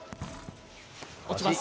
落ちます。